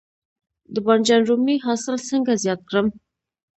د بانجان رومي حاصل څنګه زیات کړم؟